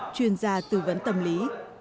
chuyên gia tư vấn tâm lý